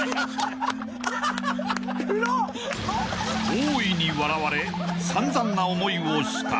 ［大いに笑われ散々な思いをした］